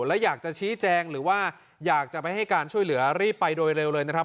และอยากจะชี้แจงหรือว่าอยากจะไปให้การช่วยเหลือรีบไปโดยเร็วเลยนะครับ